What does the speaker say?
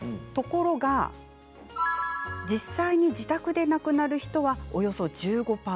ところが、実際に自宅で亡くなる人はおよそ１５％。